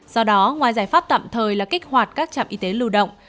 do đó ngoài giải pháp tạm thời là kích hoạt các trạm y tế lưu động